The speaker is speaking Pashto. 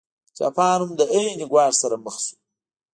جاپان هم له عین ګواښ سره مخ شو.